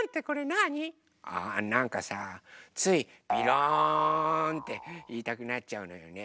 あなんかさつい「びろん」っていいたくなっちゃうのよね。